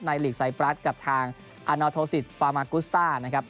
หลีกไซปรัสกับทางอาณาโทสิตฟามากุสต้านะครับ